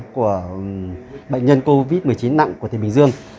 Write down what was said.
của bệnh nhân covid một mươi chín nặng